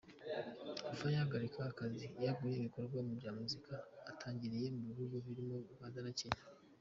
Kuva yagarika akazi; yaguye ibikorwa bya muzika atangiriye mu bihugu birimo Uganda na Kenya.